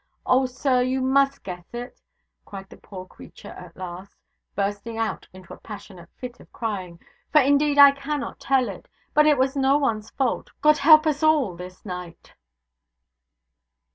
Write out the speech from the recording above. Oh, sir, you must guess it,' cried the poor creature at last, bursting out into a passionate fit of crying, 'for indeed I cannot tell it. But it was no one's fault. God help us all this night!'